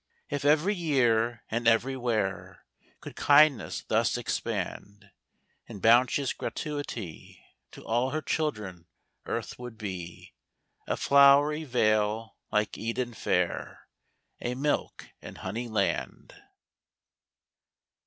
If every year and everywhere Could kindness thus expand In bounteous gratuity, To all her children earth would be A flowery vale like Eden fair, A milk and honey land.